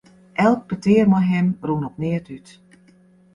Elk petear mei him rûn op neat út.